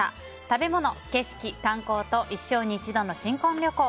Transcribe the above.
食べ物、景色、観光と一生に一度の新婚旅行。